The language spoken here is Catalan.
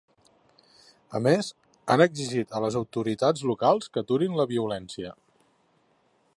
A més, han exigit a les autoritats locals que aturin la violència.